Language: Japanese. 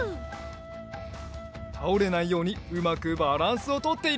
たおれないようにうまくバランスをとっている。